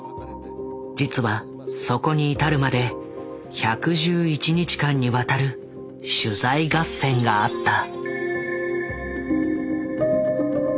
実はそこに至るまで１１１日間にわたる取材合戦があった。